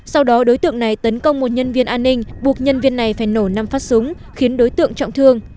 sau đó đối tượng này tấn công một nhân viên an ninh buộc nhân viên này phải nổ năm phát súng khiến đối tượng trọng thương